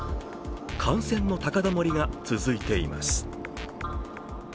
感染の高止まりが続いています。